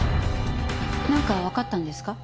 なんかわかったんですか？